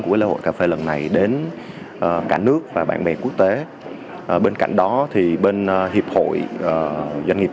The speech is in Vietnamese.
của lễ hội cà phê lần này đến cả nước và bạn bè quốc tế bên cạnh đó thì bên hiệp hội doanh nghiệp